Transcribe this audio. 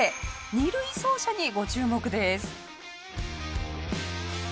２塁走者にご注目です。